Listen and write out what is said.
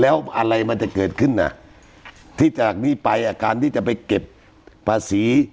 แล้วอะไรมันจะเกิดขึ้นอ่ะที่จากนี้ไปการที่จะไปเก็บภาษี